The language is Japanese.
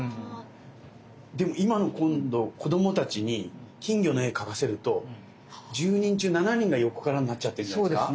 でも今の子供たちに金魚の絵描かせると１０人中７人が横からになっちゃってるんじゃないですか？